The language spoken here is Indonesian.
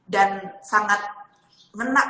dan sangat menak